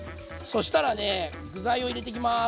そしたら塩も入れていきます。